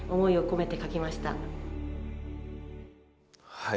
はい。